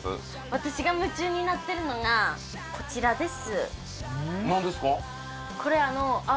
私が夢中になってるのがこちらです何ですか？